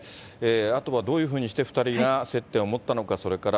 あとはどういうふうにして２人が接点を持ったのか、それから、